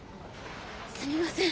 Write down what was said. すみません。